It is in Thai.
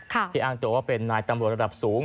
ที่อ้างตัวว่าเป็นนายตำรวจระดับสูง